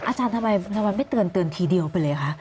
อาจารย์ทำไมไม่เตือนทีเดียวไปเลยคะ